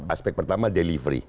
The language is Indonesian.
aspek pertama delivery